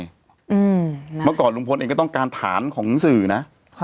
ตอนนี้มาก่อนลุงพลก็ต้องการฐานคงสื่อนะ